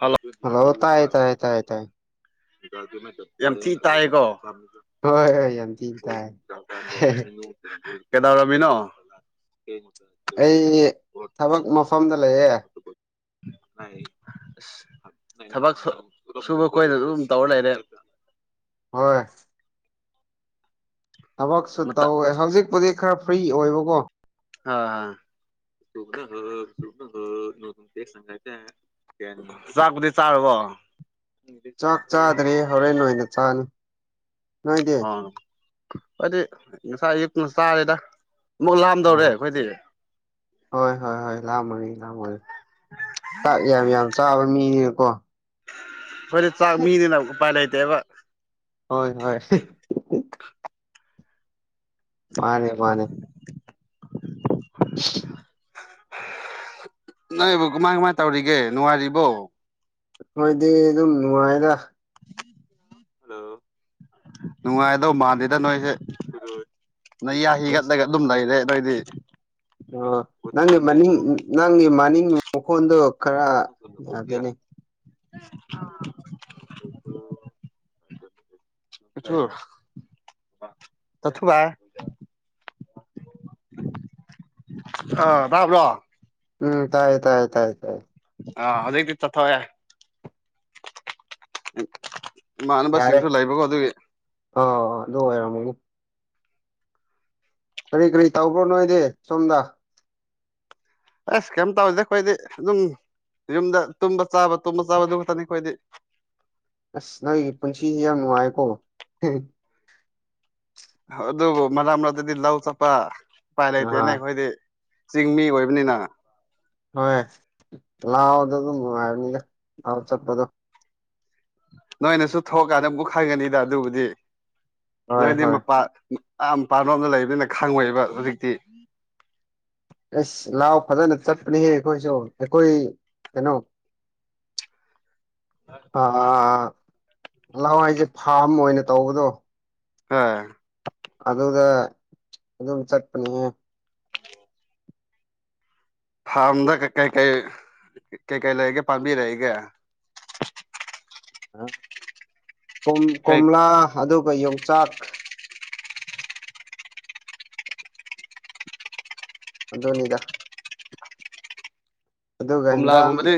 hello ꯔꯣ ꯇꯥꯏꯥꯏꯥꯏꯥꯏ ꯌꯥꯝ ꯊꯤ ꯇꯥꯏꯑꯀꯣ ꯍꯣꯏ ꯍ ꯌꯥ ꯀꯦꯗꯥꯧꯔꯃꯤꯅꯣ ꯑꯩ ꯊꯕꯛ ꯃꯐꯝꯗ ꯂꯩꯌꯦꯦ ꯇ ꯑꯁ ꯊꯕꯛ ꯁꯨꯕ ꯀꯣꯏꯅ ꯑꯗꯨꯝ ꯇꯧꯔ ꯂꯩꯔꯦ ꯍꯣꯏ ꯊꯕꯛꯁꯨ ꯇꯧꯋꯦ ꯍꯧꯖꯤꯛꯄꯨꯗꯤ ꯈꯔ ꯐ꯭ꯔꯤ ꯑꯣꯏꯕꯀꯣ ꯍꯥ ꯁꯨ ꯍ ꯁ ꯍ ꯅ ꯁꯥꯏꯦ ꯆꯥꯛꯄꯨꯗꯤ ꯆꯥꯔꯔꯕꯣ ꯆꯥꯛ ꯆꯥꯗ꯭ꯔꯦ ꯍꯣꯔꯦꯟ ꯅꯣꯏꯅ ꯆꯥꯅꯤ ꯅꯣꯏꯗꯤ ꯍꯥꯏꯣꯏꯗꯤ ꯉꯁꯥꯏ ꯑꯌꯨꯛꯇꯅ ꯇꯥꯔꯤꯦꯗ ꯑꯃꯨꯛ ꯂꯥꯑꯝꯗꯧꯔꯦ ꯑꯣ ꯑꯩꯈꯣꯏꯗꯤ ꯍꯣꯏ ꯍꯣꯏ ꯍꯣꯏ ꯂꯥꯛꯑꯝꯃꯅꯤ ꯂꯥꯛꯝꯃꯅꯤ ꯥꯛ ꯌꯥꯝ ꯌꯥꯝ ꯆꯥꯕ ꯃꯤꯅꯦꯀꯣ ꯐꯦ ꯆꯥꯛ ꯃꯤꯅꯤꯅ ꯄꯥꯏꯂꯥꯏꯇꯦꯕ ꯍꯣꯏ ꯍꯣꯏ ꯃꯥꯅꯦ ꯃꯥꯅꯦ ꯍ ꯅꯣꯏ ꯏꯕꯨ ꯀꯃꯥꯏ ꯀꯃꯥꯏ ꯇꯧꯔꯤꯒꯦ ꯅꯨꯡꯉꯔꯤꯕꯣ ꯍꯣꯏꯗꯤ ꯑꯗꯨꯝ ꯅꯨꯡꯉꯥꯏꯗ ꯍꯜꯂꯣ ꯅꯨꯡꯉꯥꯏꯗꯣ ꯃꯥꯟꯗꯦꯗ ꯅꯣꯏꯁꯦ ꯅꯪ ꯌꯥ ꯍꯤꯒꯠꯂꯒ ꯑꯗꯨꯝ ꯂꯩꯏꯔꯦ ꯅꯣꯏꯗꯤ ꯑꯣ ꯅꯪꯒꯤ ꯃꯅꯤꯡ ꯅꯪꯒꯤ ꯃꯅꯤꯡ ꯃꯈꯣꯟꯗꯣ ꯈꯔ ꯌꯥꯗꯣꯏꯅꯦ ꯑꯣ ꯆ ꯆꯊꯕꯥꯏ ꯑ ꯕ꯭ꯔꯣ ꯎꯝ ꯇꯥꯏ ꯇꯥꯏꯥꯏ ꯇꯥꯏ ꯑ ꯑꯗꯨꯗꯀꯤ ꯆ ꯊꯋꯦ ꯏꯃꯥꯟꯅꯕꯁꯤꯡꯁꯨ ꯂꯩꯕꯀꯣ ꯑꯗꯨꯒꯤ ꯑ ꯑ ꯑꯗꯨ ꯑꯣꯏꯔꯅꯤ ꯀꯔꯤ ꯀꯔꯤ ꯇꯧꯕ꯭ꯔꯣ ꯅꯣꯏꯗꯤ ꯁꯣꯝꯗ ꯑꯦꯁ ꯀꯩꯝ ꯇꯧꯗꯦ ꯑꯩꯈꯣꯏꯗꯤ ꯑꯗꯨꯝ ꯌꯨꯝꯗ ꯇꯨꯝꯕ ꯆꯥꯕ ꯇꯨꯝꯕ ꯆꯥꯕ ꯑꯗꯨ ꯈꯛꯇꯅꯤ ꯑꯩꯈꯣꯏꯗꯤ ꯑꯁ ꯅꯣꯏꯒꯤ ꯄꯨꯟꯁꯤꯁꯤ ꯌꯥꯝ ꯅꯨꯡꯉꯥꯏꯀꯣ ꯑꯗꯨꯕꯨ ꯃꯥ ꯃꯔꯛꯇꯗꯤ ꯂꯧ ꯆꯠꯄ ꯎꯄꯥꯏ ꯑꯥ ꯂꯩꯇꯦꯅꯦ ꯑꯩꯈꯣꯏꯗꯤ ꯆꯤꯡꯃꯤ ꯑꯣꯏꯕꯅꯤꯅ ꯍꯣꯏ ꯂꯑꯣꯗ ꯑꯗꯨ ꯂꯥꯎ ꯆꯠꯄꯗꯨ ꯅꯣꯏꯅꯁꯨ ꯊꯣꯛꯀꯥꯟꯗ ꯑꯃꯛ ꯈꯪꯒꯅꯤꯗ ꯑꯗꯨꯕꯨꯗꯤ ꯍꯣꯏ ꯅꯣꯏꯗꯤ ꯍꯣꯏ ꯃꯄꯥ ꯌꯥꯝꯥ ꯄꯥꯅꯕꯝꯅ ꯂꯩꯕꯅꯤꯅ ꯈꯪꯉꯣꯏꯑꯦꯕ ꯍꯧꯖꯤꯛꯇꯤ ꯑꯦꯁ ꯂꯥꯎ ꯐꯖꯅ ꯆꯠꯄꯅꯦꯍꯦ ꯑꯩꯈꯣꯏꯁꯨ ꯑꯩꯈꯣꯏ ꯀꯩꯅꯣ ꯑꯥ ꯂꯋꯥꯏꯁꯦ ꯐꯥꯝ ꯑꯣꯏꯅ ꯇꯧꯕꯗꯣ ꯑꯥ ꯑꯗꯨꯒ ꯑꯗꯨꯝ ꯆꯠꯄꯅꯦ ꯐꯥꯔꯝꯗ ꯀꯩꯀꯩ ꯀꯩꯀꯩ ꯂꯩꯔꯤꯒꯦ ꯄꯥꯝꯕꯤꯔꯛꯏꯒꯦ ꯀꯩ ꯀꯣꯝꯂꯥ ꯑꯗꯨꯒ ꯌꯣꯡꯆꯥꯛ ꯑꯗꯨꯗꯣꯅꯤꯗ ꯑꯗꯨꯒ ꯏꯟꯖꯥꯡ ꯀꯣꯝꯂꯥꯒꯨꯝꯕꯗꯤ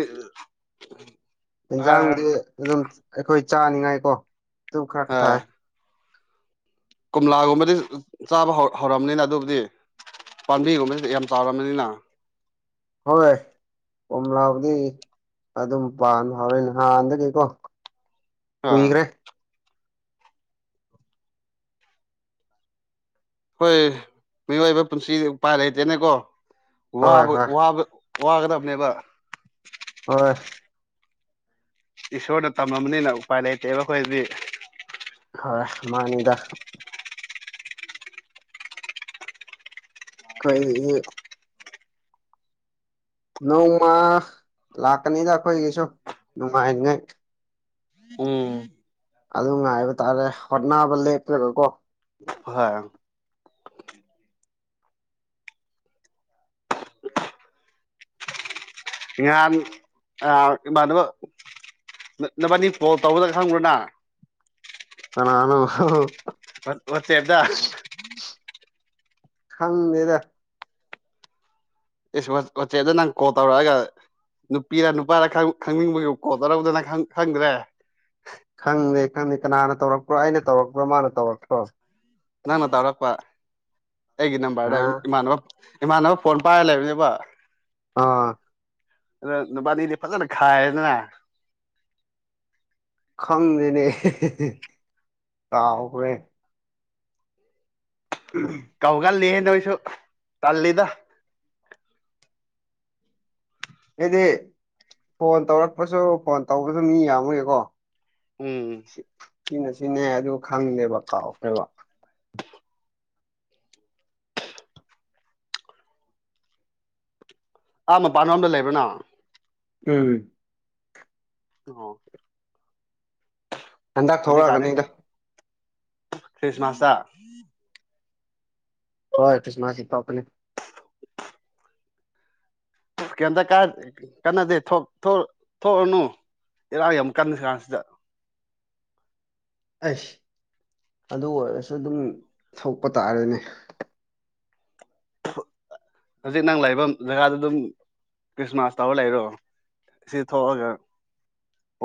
ꯍꯥꯏ ꯌꯦꯟꯖꯥꯡꯗꯤ ꯑꯗꯨꯝ ꯑꯩꯈꯣꯏ ꯆꯥꯅꯤꯡꯉꯥꯏ ꯀꯣ ꯑꯗꯨꯝ ꯈꯔ ꯈꯔ ꯍꯥꯏ ꯊꯥꯏ ꯀꯣꯝꯂꯥꯒꯨꯝꯕꯗꯤ ꯆꯥꯕ ꯍꯧ ꯍꯧꯔꯕꯅꯤꯅ ꯑꯗꯨꯕꯨꯗꯤ ꯄꯥꯝꯕꯤꯒꯨꯝꯕꯁꯤ ꯌꯥꯝ ꯆꯥꯎꯔꯕꯅꯤꯅ ꯍꯣꯏꯣꯏ ꯀꯣꯝ ꯂꯥꯎꯕꯗꯤ ꯑꯗꯨꯝ ꯄꯥꯟ ꯍꯥꯎꯔꯅꯦ ꯅꯍꯥꯟꯗꯒꯤꯀꯣ ꯑꯥ ꯀꯨꯏꯒꯔꯦ ꯑꯩꯈꯣꯏ ꯍꯣꯏ ꯃꯤꯑꯣꯏꯕ ꯄꯨꯟꯁꯤ ꯎꯄꯥꯏ ꯂꯩꯇꯦꯅꯦꯀꯣ ꯍꯣꯏ ꯋꯥꯕ ꯍꯣꯏ ꯋꯥꯕ ꯋꯥꯒꯗꯕꯅꯦꯕ ꯍꯣꯏ ꯏꯁꯣꯔꯗ ꯇꯝꯃꯕꯅꯤꯅ ꯎꯄꯥꯏ ꯂꯩꯇꯦꯕ ꯑꯩꯈꯣꯏꯗꯤ ꯍꯣꯏ ꯃꯥꯅꯤꯗ ꯀꯣꯏ ꯅꯣꯡꯃ ꯂꯥꯛꯀꯅꯤꯗ ꯑꯩꯈꯣꯏꯒꯤꯁꯨ ꯅꯨꯡꯉꯥꯏ ꯅꯤꯉꯥꯏ ꯎꯝ ꯑꯗꯨꯝ ꯉꯥꯏꯕ ꯇꯥꯔꯦ ꯍꯣꯠꯅꯕ ꯂꯦꯞꯀꯅꯨꯀꯣ ꯍꯣꯏꯍꯣꯏ ꯏꯍꯥꯟ ꯏꯃꯥꯟꯅꯕ ꯅꯕꯅꯤ ꯀꯣꯜ ꯇꯧꯕꯗ ꯈꯪꯕ꯭ꯔꯅꯪ ꯀꯅꯥꯅꯣ ꯋꯥ ꯋꯥꯆꯦꯞꯇ ꯈꯪꯗꯦꯗ ꯏꯁ ꯋꯥ ꯋꯥꯆꯦꯞꯇ ꯅꯪ ꯀꯣꯜ ꯇꯧꯔꯛꯑꯒ ꯅꯨꯄꯤꯔ ꯅꯨꯄꯥꯔ ꯈꯪ ꯈꯪꯅꯤꯡꯕꯒꯤ ꯀꯣꯜ ꯇꯧꯔꯛꯄꯗꯨ ꯅꯪ ꯈꯪꯗ꯭ꯔꯦ ꯈꯪꯗꯦ ꯈꯪꯗꯦ ꯀꯅꯥꯅ ꯇꯧꯔꯛꯄ꯭ꯔꯣ ꯑꯩꯅ ꯇꯧꯔꯛꯄ꯭ꯔꯣ ꯃꯥꯅ ꯇꯧꯔꯛꯄ꯭ꯔꯣ ꯅꯪꯅ ꯇꯧꯔꯛꯄ ꯑꯩꯒꯤ ꯅꯝꯕꯔꯗ ꯑꯥ ꯏꯃꯥꯟꯅꯕ ꯏꯃꯥꯟꯅꯕ ꯐꯣꯟ ꯄꯥꯏꯔ ꯂꯩꯕꯅꯦꯕ ꯑꯥ ꯑꯗ ꯅꯨꯕꯥꯅꯤꯗꯤ ꯐꯖꯅ ꯈꯥꯏꯌꯦꯗꯅ ꯈꯪꯗꯦꯅꯦ ꯀꯥꯎꯈ꯭ꯔꯦ ꯎꯝ ꯀꯧꯒꯜꯂꯤꯍꯦ ꯅꯣꯏꯁꯨ ꯇꯜꯂꯤꯗ ꯑꯩꯗꯤ ꯐꯣꯟ ꯇꯧꯔꯛꯄꯁꯨ ꯐꯣꯟ ꯇꯧꯕꯁꯨ ꯃꯤ ꯌꯥꯝꯕꯒꯤꯀꯣ ꯎꯝ ꯁꯤꯅꯥ ꯁꯤꯅꯦ ꯑꯗꯨ ꯈꯪꯗꯦꯕ ꯀꯥꯎꯈ꯭ꯔꯦꯕ ꯑꯥ ꯃꯄꯥꯟ ꯂꯣꯝꯗ ꯂꯩꯕꯔꫭ ꯅꯪ ꯎꯝ ꯑꯣ ꯍꯟꯗꯛ ꯍꯧꯖꯤꯛ ꯀꯥꯟꯗꯤ ꯊꯣꯛꯂꯛꯑꯒꯅꯤꯗ ꯈ꯭ꯔꯤꯁꯃꯥꯁꯇ ꯍꯣꯏ ꯈ꯭ꯔꯤꯁꯃꯥꯁ ꯇ ꯊꫭꯛꯀꯅꯤ ꯀꯩꯝꯇ ꯀꯥꯏ ꯀꯥꯟꯅꯗꯦ ꯊꯣꯛ ꯊꫭꯛꯑꫭꯔꯅꯨ ꯏꯔꯥꯡ ꯌꯥꯝ ꯀꯟꯅꯁꯤ ꯀꯥꯟꯁꯤꯗ ꯑꯩꯁ ꯑꯗꯨ ꯑꯣꯏꯔꯁꯨ ꯑꯗꯨꯝ ꯊꯣꯛꯄ ꯇꯥꯔꯦꯅꯦ ꯍꯧꯖꯤꯛ ꯅꯪ ꯂꯩꯐꯝ ꯖꯒꯥꯗ ꯑꯗꯨꯝ ꯈ꯭ꯔꯤꯁꯃꯥꯁ ꯇꯧꯔ ꯂꯩꯔꯣ ꯁꯤ ꯊꯣꯛꯑꯒ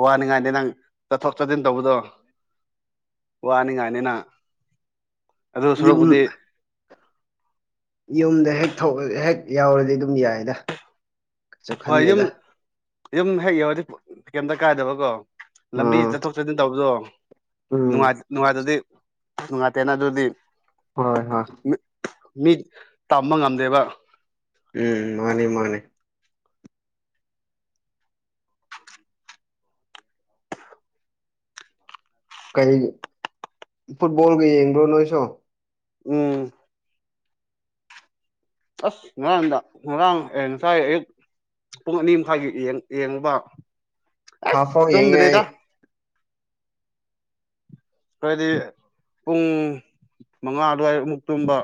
ꯋꯥꯅꯤꯡꯉꯥꯏꯅꯤ ꯅꯪ ꯆꯠꯊꯣꯛ ꯆꯠꯁꯤꯟ ꯇꯧꯕꯗꯣ ꯋꯥꯅꯤꯉꯥꯏꯅꯤꯅ ꯑꯗꯨ ꯌꯨꯝ ꯁꯨꯔꯨꯛꯄꯨꯗꯤ ꯌꯨꯝꯗ ꯍꯦꯛ ꯇꯧꯒꯜ ꯍꯦꯛ ꯌꯥꯎꯔꯗꯤ ꯑꯗꯨꯝ ꯌꯥꯏꯗ ꯀꯩꯁꯨ ꯍꯣꯏ ꯌꯨꯝ ꯈꯟꯗꯦꯗ ꯌꯨꯝ ꯍꯦꯛ ꯌꯧꯔꯗꯤ ꯀꯩꯝꯇ ꯀꯥꯏꯗꯕꯀꯣ ꯂꯝꯕꯤ ꯑꯥ ꯆꯠꯊꯣꯛ ꯆꯠꯁꯤꯟ ꯇꯧꯕꯗꯣ ꯎꯝ ꯅꯨꯡꯉꯥꯏ ꯅꯨꯡꯉꯥꯏꯇꯗꯤ ꯅꯨꯡꯉꯥꯏꯇꯦꯅ ꯑꯗꯨꯗꯤ ꯍꯣꯏ ꯍꯣꯏ ꯃꯤ ꯃꯤ ꯇꯝꯕ ꯉꯝꯗꯦꯕ ꯎꯝ ꯃꯥꯅꯤ ꯃꯥꯅꯤ ꯀꯩ ꯐꯨꯠꯕꯣꯜꯒ ꯌꯦꯡꯕ꯭ꯔꯣ ꯅꯣꯏꯁꯨ ꯎꯝ ꯑꯁ ꯉꯔꯥꯡꯗ ꯉꯔꯥꯡ ꯑꯦ ꯉꯁꯥꯏ ꯑꯌꯨꯛ ꯄꯨꯡ ꯑꯅꯤ ꯃꯈꯥꯏꯒꯤ ꯌꯦꯡ ꯌꯦꯡꯉꯕ ꯍꯥꯐ ꯑꯦꯁ ꯐꯥꯎ ꯌꯦꯡꯉꯦ ꯑꯩ ꯇꯨꯝꯗ꯭ꯔꯦꯗ ꯍꯥꯏꯗꯤ ꯄꯨꯡ ꯃꯪꯉꯥ ꯑꯗꯨꯋꯥꯏꯗꯃꯨꯛ ꯇꯨꯝꯕ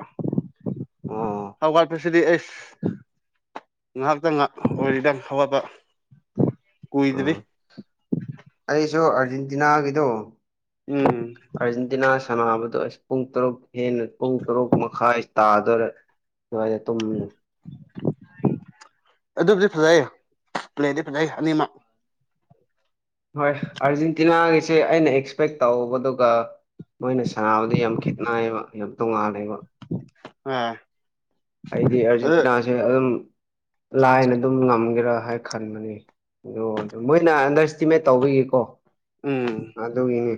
ꯑꯣ ꯍ ꯋꯥ [unintelligible] ꯑꯁꯤꯗꯤ ꯑꯁ ꯉꯥꯏꯍꯥꯛꯇꯪ ꯉꯥꯏꯍ ꯑꯣꯏꯔꯤꯗ ꯍꯧꯒꯠꯕ ꯎ ꯑꯩꯁꯨ ꯑꯥꯔꯖꯦꯟꯇꯤꯅꯥꯒꯤꯗꯣ ꯎꯝ ꯑꯥꯔꯖꯦꯟꯇꯤꯅꯥ ꯁꯥꯟꯅꯕꯗ‌ꯣ ꯑꯁ ꯄꯨꯡ ꯇꯔꯨꯛ ꯍꯦꯟꯅ ꯄꯨꯡ ꯇꯔꯨꯛ ꯃꯈꯥꯏ ꯇꯥꯗꯣꯔ‌ꯦ ꯑꯗꯨꯋꯥꯏꯗ ꯇꯨꯝ ꯑꯗꯨꯕꯨꯗꯤ ꯐꯖꯩ ꯄ꯭ꯂꯦꯗꯤ ꯐꯖꯩ ꯑꯅꯤꯃꯛ ꯍꯣꯏ ꯑꯥꯔꯖꯦꯟꯇꯤꯅꯥꯒꯤꯁꯦ ꯑꯩꯅ ꯑꯦꯛꯁꯄꯦꯛ ꯇꯧꯕꯗꯨꯒ ꯃꯣꯏꯅ ꯁꯥꯟꯅꯕꯗꯤ ꯌꯥꯝ ꯈꯦꯠꯅꯩꯌꯦꯕ ꯌꯥꯝ ꯇꯣꯉꯥꯜꯂꯦꯕ ꯑ‌ꯦ ꯑꯩꯗꯤ ꯑꯥꯔꯖꯦꯟꯇꯤꯅꯥꯁꯦ ꯑꯗꯨꯝ ꯂꯥꯏꯅ ꯑꯗꯨꯝ ꯉꯝꯒꯦꯔꯥ ꯍꯥꯏ ꯈꯟꯕꯅꯤ ꯑꯗ‌ꯣ ꯑꯗꯨꯝ ꯃꯣꯏꯅ ꯑꯟꯗꯔ‌ꯏꯁꯇꯤꯃꯦꯠ ꯇꯧꯕꯒꯤꯀꯣ ꯎꯝ ꯑꯗꯨꯒꯤꯅꯦ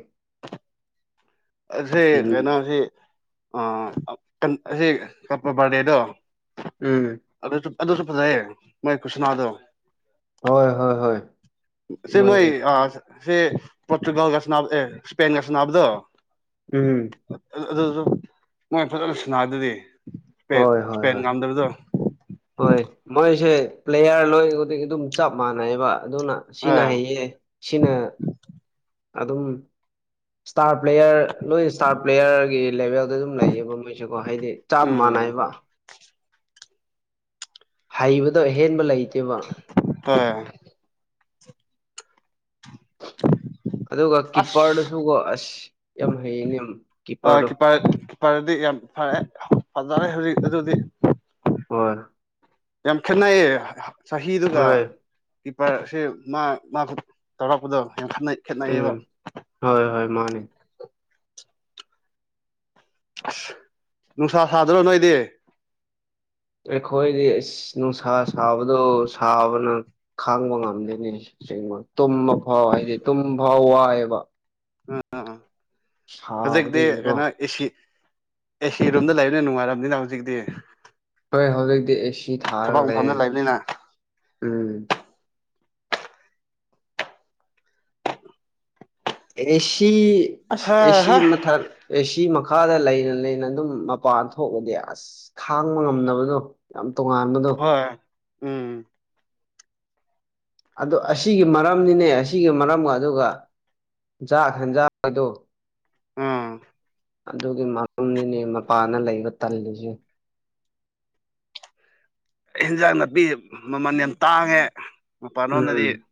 ꯑꯁꯦ ꯇꯤꯝ ꯀꯩꯅꯣ ꯁꯤ ꯑ ꯑꯁꯤ ꯀꯞꯄꯕꯥꯔ‌ꯦꯗꯣ ꯎꯝ ꯑꯗꯨꯁꯨ ꯑꯗꯨꯁꯨ ꯐꯖꯩꯌꯦ ꯃꯣꯏ ꯈꯨꯁꯟꯅꯥꯗꯣ ꯍꯣꯏ ꯍꯣꯏ ꯍꯣꯏ ꯁꯤꯃꯣꯏ ꯃꯣꯏꯒꯤ ꯑ ꯁꯤ ꯄꯣꯔꯇꯨꯒꯜꯒ ꯁꯥꯟꯅ ꯑꯦ ꯏꯁꯄꯦꯟꯒ ꯁꯥꯟꯅꯕꯗꯣ ꯎꯝ ꯑ ꯑꯗꯨꯖꯨ ꯃꯣꯏ ꯐꯖꯅ ꯁꯅꯥꯏꯗꯨꯗꯤ ꯍꯣꯏ ꯍꯣꯏ ꯍꯣꯏ ꯍꯣꯏ ꯃꯣꯏꯁꯦ ꯄ꯭ꯂꯦꯌꯥꯔ ꯂꯣꯏꯈꯨꯗꯤꯡ ꯑꯗꯨꯝ ꯆꯞ ꯃꯥꯟꯅꯩꯕ ꯑꯗꯨꯅ ꯁꯤꯅ ꯑ ꯍꯩꯌꯦ ꯁꯤꯅ ꯑꯗꯨꯝ ꯏꯁꯇꯥꯔ ꯄ꯭ꯂꯦꯌꯔ ꯂꯣꯏ ꯏꯁꯇꯥꯔ ꯄ꯭ꯂꯦꯌꯔꯒꯤ ꯂꯦꯚꯦꯜꯗ ꯑꯗꯨꯝ ꯂꯩꯌꯦꯕ ꯃꯣꯏꯁ‌ꯦꯀꯣ ꯍꯥꯏꯗꯤ ꯆ ꯎꯝ ꯃꯅꯥꯏꯕ ꯍꯩꯕꯗꯣ ꯑꯍꯦꯟꯕ ꯂꯩꯇꯦꯕ ꯍ‌ꯣꯏ ꯑꯗꯨꯒ ꯑꯁ ꯀꯤꯞꯄꯔꯗꯨꯁꯨꯀꯣ ꯑꯁ ꯌꯥꯝ ꯍꯩꯅꯦ ꯑ ꯀꯤꯞꯄꯔ ꯀꯤꯞꯄꯔꯗꯤ ꯌꯥꯝ ꯐꯔꯦ ꯐꯖꯔꯦ ꯍꯧꯖꯤꯛ ꯑꯗꯨꯗꯤ ꯍ‌ꯣꯏ ꯌꯥꯝ ꯈꯦꯠꯅꯩꯌꯦ ꯆꯍꯤꯗꯨꯒ ꯍꯣꯏ ꯀꯤꯞꯄꯔꯁꯦ ꯃꯥ ꯃꯥ ꯇꯧꯔꯛꯄꯗꯣ ꯌꯥꯝ ꯈꯠꯅꯩ ꯎꯝ ꯈꯦꯠꯅꯩꯌꯦꯕ ꯍꯣꯏ ꯍꯣꯏ ꯃꯥꯅꯦ ꯑꯁ ꯅꯨꯡꯁꯥ ꯁꯥꯗ꯭ꯔꯣ ꯅꯣꯏꯗꯤ ꯑꯩꯈꯣꯏꯗꯤ ꯑꯁ ꯅꯨꯡꯁꯥ ꯁꯥꯕꯗꯣ ꯁꯥꯕꯅ ꯈꯥꯡꯕ ꯉꯝꯗ‌ꯦꯅ‌ꯦ ꯀꯩꯅ‌ꯣ ꯇꯨꯝꯕ ꯐꯥꯎ ꯍꯥꯏꯗꯤ ꯇꯨꯝ ꯐꯥꯎ ꯋꯥꯏꯑꯕ ꯑꯥ ꯑ ꯍꯧꯖꯤꯛꯇꯤ ꯁꯥꯕꯗꯒꯤꯀꯣ ꯀꯩꯅꯣ ꯑꯦꯁꯤ ꯑꯦ ꯁꯤ ꯔꯨꯝꯗ ꯂꯩꯕꯅꯤꯅ ꯅꯨꯡꯉꯥꯏꯔꯕꯅꯤꯅ ꯍꯧꯖꯤꯛꯇꯤ ꯍꯣꯏ ꯍꯧꯖꯤꯛꯇꯤ ꯑꯦꯁꯤ ꯊꯥꯔꯒ ꯊꯕꯛ ꯃꯐꯝꯗ ꯂꯩꯌ‌ꯦ ꯂꯩꯕꯅꯤꯅ ꯎꯝ ꯑꯦꯁꯤ ꯑꯁ ꯍꯥ ꯑꯦꯁꯤ ꯍꯥ ꯃꯊꯛ ꯑꯦ ꯁꯤ ꯃꯈꯥꯗ ꯂꯩꯅ ꯂꯩꯅ ꯑꯗꯨꯝ ꯃꯄꯥꯟ ꯊꯣꯛꯑꯗꯤ ꯑꯁ ꯈꯥꯡꯕ ꯉꯝꯅꯕꯗꯣ ꯌꯥꯝ ꯇꯣꯉꯥꯟꯕꯗꯣ ꯍ‌ꯣꯏ ꯎꯝ ꯑ ꯑꯁꯤꯒꯤ ꯃꯔꯝꯅꯤꯅꯦ ꯑꯁꯤꯒꯤ ꯃꯔꯝꯒ ꯑꯗꯨꯒ ꯖꯥꯠ ꯍ‌ꯦꯟꯖꯥꯡꯗꯣ ꯑꯥ ꯑꯗꯨꯒꯤ ꯃꯔꯝꯅꯤꯅꯦ ꯃꯄꯥꯟꯗ ꯂꯩꯕ ꯇꯜꯂꯤꯁꯦ ꯍ‌ꯦꯟꯖꯥꯡ ꯅꯥꯄꯤ ꯃꯃꯜ ꯌꯥꯝ ꯇꯥꯡꯉꯦ ꯃꯄꯥꯟꯂꯣꯝꯗꯗꯤ ꯎꯝ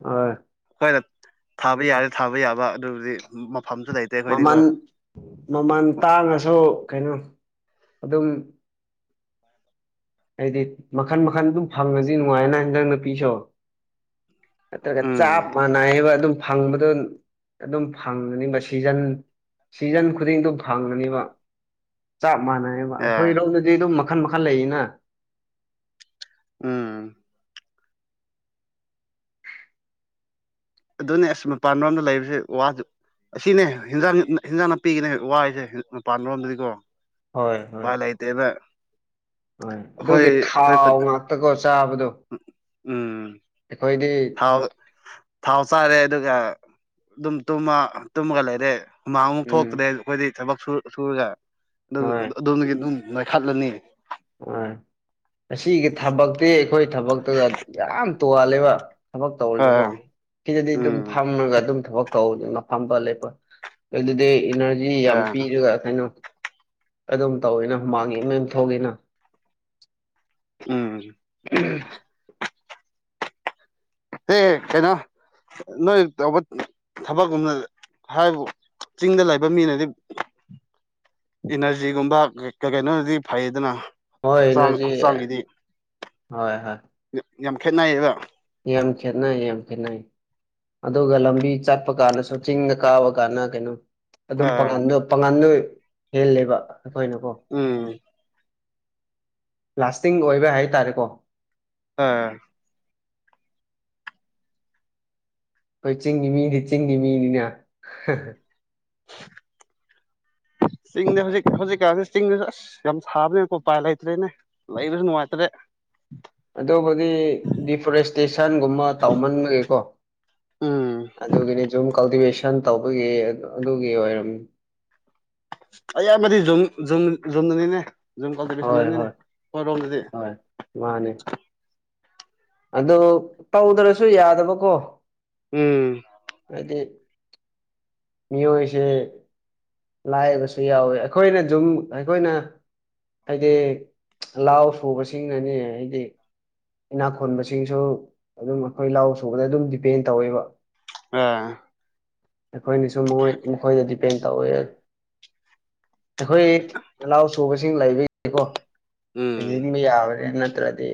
ꯑꯣ [unintelligible] ꯊꯥꯕ ꯌꯥꯔꯦ ꯊꯥꯕ ꯌꯥꯕ ꯑꯗꯨꯕꯨꯗꯤ ꯃꯐꯝꯁꯨ ꯂꯩ ꯃꯃꯜ ꯃꯃꯜ ꯇꯥꯡꯉꯁꯨ ꯀꯩꯅꯣ ꯑꯗꯨꯝ ꯍꯥꯏꯗꯤ ꯃꯈꯟ ꯃꯈꯟ ꯑꯗꯨꯝ ꯐꯪꯉꯗꯤ ꯅꯨꯡꯉꯥꯏꯅ ꯍꯤꯟꯗꯥꯡ ꯅꯄꯤꯁꯨ ꯅꯠꯇ꯭ꯔꯒ ꯆꯞ ꯎꯝ ꯃꯥꯟꯅꯏꯕ ꯑꯗꯨꯝ ꯐꯪꯕꯗꯣ ꯑꯗꯨꯝ ꯐꯪꯒꯅꯤꯕ ꯁꯤꯖꯟ ꯁꯤꯖꯟ ꯈꯨꯗꯤꯡꯗꯣ ꯐꯪꯒꯅꯤꯕ ꯆꯞ ꯃꯥꯟꯅꯌꯦꯕ ꯑꯦ ꯑꯩꯈꯣꯏꯔꯣꯝꯗꯗꯤ ꯑꯗꯨꯝ ꯃꯈꯟ ꯃꯈꯜ ꯂꯩꯌꯦꯅ ꯎꯝ ꯑꯗꯨꯅꯦ ꯑꯁ ꯃꯄꯥꯟ ꯂꯣꯝꯗ ꯂꯩꯕꯁꯦ ꯋꯥꯁꯨ ꯑꯁꯤꯅꯦ ꯍꯤꯟꯖꯥꯡ ꯍꯦꯟꯖꯥꯡ ꯅꯥꯄꯤꯒꯤꯅꯦ ꯋꯥꯁꯦ ꯃꯄꯥꯟꯔꯣꯝꯗꯗꯤꯀꯣ ꯍꯣꯏ ꯍꯣꯏ ꯄꯥꯂꯩꯇꯦꯗ ꯍꯣꯏ ꯑꯗꯨꯒꯤ ꯊꯥꯎ ꯉꯥꯛꯇꯀꯣ ꯆꯥꯕꯗꯣ ꯎꯝ ꯑꯩꯈꯣꯏꯗꯤ ꯊꯥꯎ ꯊꯥꯎ ꯆꯥꯔꯦ ꯑꯗꯨꯒ ꯑꯗꯨꯝ ꯇꯨꯝꯃ ꯇꯨꯝꯃꯒ ꯂꯩꯔꯦ ꯍꯨꯃꯥꯡꯃꯨꯛ ꯎꯝ ꯊꯣꯛꯇ꯭ꯔꯦ ꯑꯩꯈꯣꯏꯗꯤ ꯊꯕꯛ ꯁꯨ ꯁꯨꯔꯒ ꯑꯗꯨ ꯍꯣꯏ ꯑꯗꯣꯝꯗꯒꯤ ꯑꯗꯨꯝ ꯅꯣꯏꯈꯠꯂꯅꯤ ꯍ ꯑꯁꯤꯒꯤ ꯊꯕꯛꯇꯤ ꯑꯩꯈꯣꯏ ꯊꯕꯛꯇꯨꯒ ꯌꯥꯝ ꯇꯣꯉꯥꯜꯂꯦꯕ ꯊꯕꯛ ꯇꯧꯔꯥꯁꯨꯀꯣ ꯑꯥ ꯐꯤꯗꯗꯤ ꯑꯗꯨꯝ ꯎꯝ ꯐꯝꯃꯒ ꯑꯗꯨꯝ ꯊꯕꯛ ꯇꯧ [unintelligible] ꯑꯗꯨꯗꯤ ꯏꯅꯔ ꯌꯥꯝ ꯑꯥ ꯄꯤꯔꯒ ꯀꯩꯅꯣ ꯑꯗꯨꯝ ꯇꯧꯋꯤꯅ [unintelligible] ꯎꯝ [unintelligible] ꯑꯦ ꯀꯩꯅꯣ ꯅꯣꯏ ꯇꯧꯕ ꯊꯕꯛꯀꯨꯝꯅ ꯍꯥꯏꯕꯨ ꯆꯤꯡꯗ ꯂꯩꯕ ꯃꯤꯅꯗꯤ ꯏꯅꯔꯖꯤꯒꯨꯝꯕ ꯀꯩꯅꯣꯗꯤ ꯐꯩ ꯑꯗꯨꯅ ꯍꯣꯏ ꯅꯣꯏꯖꯤ ꯍꯣꯏ ꯍꯣꯏ ꯌꯥꯝ ꯈꯦꯠꯅꯩꯌꯦꯕ ꯌꯥꯝ ꯈꯦꯠꯅ ꯌꯥꯝ ꯈꯦꯠꯅꯩ ꯑꯗꯨꯒ ꯂꯝꯕꯤ ꯆꯠꯄ ꯀꯥꯟꯗꯁꯨ ꯆꯤꯡꯗ ꯀꯥꯕ ꯀꯥꯟꯗ ꯀꯩꯅꯣ ꯑꯗꯨꯝ ꯑꯥ ꯄꯥꯉꯜꯗ ꯄꯥꯉꯜꯗꯣ ꯍꯦꯜꯂꯦꯕ ꯑꯩꯈꯣꯏꯅꯀꯣ ꯎꯝ ꯂꯥꯁꯇꯤꯡ ꯑꯣꯏꯕ ꯍꯥꯏꯇꯥꯔꯦꯀꯣ [unintelligible] ꯑꯩꯈꯣꯏ ꯆꯤꯡꯒꯤ ꯃꯤꯗꯤ ꯆꯤꯡꯒꯤ ꯃꯤꯅꯤꯅ [inaudible] ꯆꯤꯡꯗ ꯍꯧꯖꯤꯛ ꯍꯧꯖꯤꯛꯀꯥꯟꯁꯤ ꯆꯤꯡꯗꯁꯨ ꯑꯁ ꯌꯥꯝ ꯁꯥꯕꯅꯦꯅꯀꯣ ꯎꯄꯥꯏ ꯂꯩꯇ꯭ꯔꯦꯅꯦ ꯂꯩꯏꯕꯁꯨ ꯅꯨꯉꯥꯏꯇ꯭ꯔꯦ ꯑꯗꯨꯕꯨꯗꯤ ꯗꯤꯐꯣꯔꯦꯁꯇꯦꯁꯟꯒꯨꯝꯕ ꯇꯧꯃꯟꯕꯒꯤꯀꯣ ꯎꯝ ꯑꯗꯨꯒꯤꯅꯤ ꯖꯨꯝ ꯀꯜꯇꯤꯚꯦꯁꯟ ꯇꯧꯕꯒꯤ ꯑꯗꯨꯒꯤ ꯑꯣꯏꯔꯝ [unintelligible] ꯗꯅꯤꯅꯦ ꯍꯣꯏ ꯍꯣꯏ ꯍꯣꯏ ꯃꯥꯅꯦ ꯑꯗꯨ ꯇꯧꯗ꯭ꯔꯁꯨ ꯌꯥꯗꯕꯀꯣ ꯎꯝ ꯍꯥꯏꯗꯤ ꯃꯤꯑꯣꯏꯁꯦ ꯂꯥꯏꯕꯁꯨ ꯌꯥꯎꯋꯤ ꯑꯩꯈꯣꯏꯅ ꯖꯨꯝ ꯑꯩꯈꯣꯏꯅ ꯍꯥꯏꯗꯤ ꯂꯥꯎ ꯁꯨꯕꯁꯤꯡꯅꯅꯦ ꯍꯥꯏꯗꯤ ꯈꯣꯟꯕꯁꯤꯡꯁꯨ ꯑꯗꯨꯝ ꯑꯩꯈꯣꯏ ꯂꯥꯎ ꯁꯨꯕꯅ ꯑꯗꯨꯝ ꯗꯤꯄꯦꯟ ꯇꯧꯋꯦꯕ ꯑꯥ ꯑꯩꯈꯣꯏꯅꯁꯨꯣꯏ ꯃꯈꯣꯏꯗ ꯗꯤꯄꯦꯟ ꯇꯧꯋꯦ ꯑꯩꯈꯣꯏ ꯅꯅꯥꯎ ꯁꯨꯕꯁꯤꯡ ꯂꯩꯕꯒꯤꯀꯣ ꯎꯝ ꯍꯖꯤꯟꯕ ꯌꯥꯕꯅꯤ ꯅꯠꯇ꯭ꯔꯗꯤ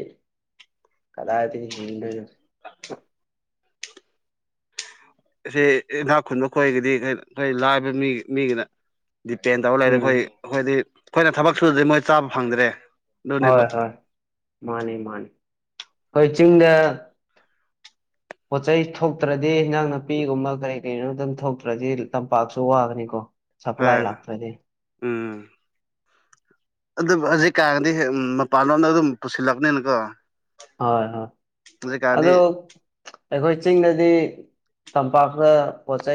ꯀꯗꯥꯍꯥꯏꯗꯒꯤ ꯍꯤꯡꯗꯣꯏꯅꯣ ꯁꯤ ꯏꯟꯅꯥꯛ ꯈꯨꯟꯕ ꯈꯣꯏꯒꯤꯗꯤ [unintelligible] ꯂꯥꯏꯕ ꯃꯤ ꯃꯤꯒꯤꯅ ꯗꯤꯄꯦꯟ ꯇꯧꯔ ꯂꯩꯔꯦ ꯎꯝ ꯑꯩꯈꯣꯏ ꯑꯩꯈꯣꯏꯗꯤ ꯑꯩꯈꯣꯏꯅ ꯊꯕꯛ ꯁꯨꯗ꯭ꯔꯗꯤ ꯃꯣꯏ ꯆꯥꯕ ꯐꯪꯗ꯭ꯔꯦ ꯑꯗꯨꯅꯤ ꯍꯣꯏ ꯂꯣ ꯍꯣꯏ ꯃꯥꯅꯤ ꯃꯥꯅꯤ ꯑꯩꯈꯣꯏ ꯆꯤꯡꯗ ꯄꯣꯠ ꯆꯩ ꯊꯣꯛꯇ꯭ꯔꯗꯤ ꯏꯟꯖꯥꯡ ꯅꯨꯄꯤꯒꯨꯝꯕ ꯀꯔꯤ ꯀꯩꯅꯣꯝ ꯑꯗꯨꯝ ꯊꯣꯛꯇ꯭ꯔꯗꯤ ꯇꯝꯄꯥꯛꯁꯨ ꯋꯥꯒꯅꯤꯀꯣ ꯁꯄ꯭ꯂꯥꯏ ꯍꯣꯏ ꯂꯥꯛꯇ꯭ꯔꯗꯤ ꯎꯝ ꯑꯗꯨꯝ ꯍꯧꯖꯤꯛꯀꯥꯟꯒꯗꯤꯦꯛ ꯃꯄꯥꯟ ꯂꯣꯝꯗ ꯑꯗꯨꯝ ꯄꯨꯁꯤꯜꯂꯛꯄꯅꯤꯅꯀꯣ ꯍꯣꯏ ꯍꯣꯏ ꯍꯧꯖꯤꯛꯀꯥꯟꯗꯤ ꯑꯗꯣ ꯑꯩꯈꯣꯏ ꯆꯤꯡꯗꯗꯤ ꯇꯝꯄꯥꯛꯇ ꯄꯣꯠ ꯆꯩꯩ